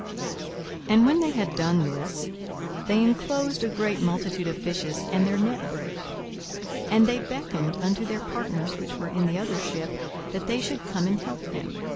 42:005:006 And when they had this done, they inclosed a great multitude of fishes: and their net brake. 42:005:007 And they beckoned unto their partners, which were in the other ship, that they should come and help them.